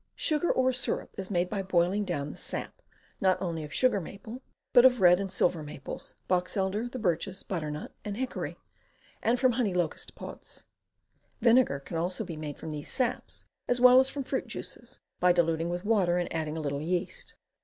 Sugar or syrup is made by boiling down the sap, not only of sugar maple, but of red and silver maples, box elder, the birches, butternut, and hickory, and from honey locust pods. Vinegar also can be made from these saps, as well as from fruit juices, by dilut ing with water and adding a little yeast.